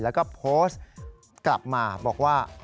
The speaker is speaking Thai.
แล้วก็โพสต์กลับมาบอกว่า